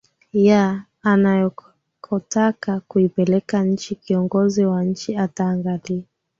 ya anakotaka kuipeleka nchi Kiongozi wa nchi ataangalia